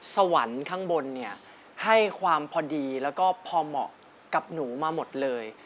สวรรค์ข้างบนเนี่ยให้ความพอดีแล้วก็พอเหมาะกับหนูมาหมดเลย